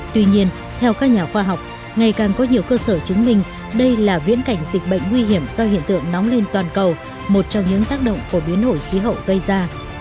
tuy nhiên theo các nhà khoa học ngày càng có nhiều cơ sở chứng minh đây là viễn cảnh dịch bệnh nguy hiểm do hiện tượng nóng lên toàn cầu một trong những tác động của biến đổi khí hậu gây ra